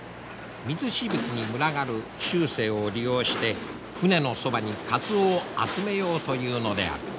水しぶきに群がる習性を利用して船のそばにカツオを集めようというのである。